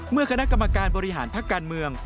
เมื่อคณะกรรมการบริหารพักการเมือง